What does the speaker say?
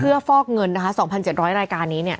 เพื่อฟอกเงินนะคะ๒๗๐๐รายการนี้เนี่ย